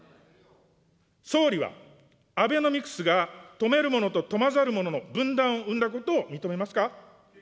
総理はアベノミクスが富める者と富まざる者の分断を生んだことを認めますか。